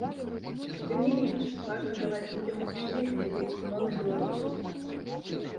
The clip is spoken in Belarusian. Тым не менш, важна даваць людзям магчымасць глядзець кіно на беларускай.